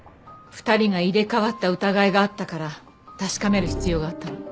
２人が入れ替わった疑いがあったから確かめる必要があったの。